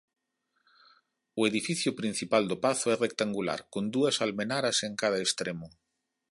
O edificio principal do pazo é rectangular con dúas almenaras en cada extremo.